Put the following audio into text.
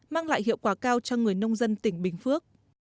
mang lại hiệu quả cao cho người nông dân tỉnh bình phước